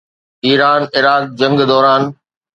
ايران-عراق جنگ دوران